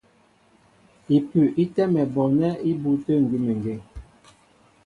Ipʉ í tɛ́mɛ bɔɔnɛ́ ibû tə̂ ngʉ́mengeŋ.